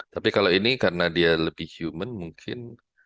tapi kalau ini karena dia lebih human mungkin